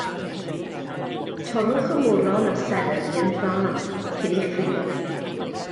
Torrwch y moron a seleri yn fân cyn eu ffrio.